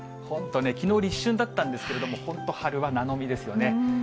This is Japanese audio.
本当ね、きのう、立春だったんですけれども、本当、春はですよね。